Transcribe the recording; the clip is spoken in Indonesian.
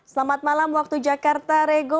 selamat malam waktu jakarta rego